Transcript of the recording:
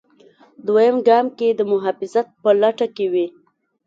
دویم ګام کې د محافظت په لټه کې وي.